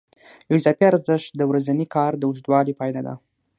یو اضافي ارزښت د ورځني کار د اوږدوالي پایله ده